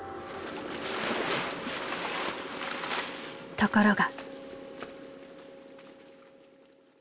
ところが。